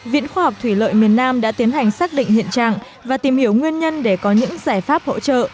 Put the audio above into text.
viện khoa học thủy lợi miền nam đã tiến hành xác định hiện trạng và tìm hiểu nguyên nhân để có những giải pháp hỗ trợ